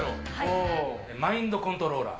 マインドコントローラー。